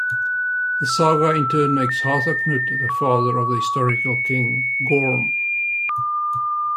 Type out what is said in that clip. The saga in turn makes Harthacnut the father of the historical king, Gorm.